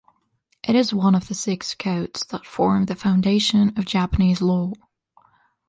It is one of the Six Codes that form the foundation of Japanese law.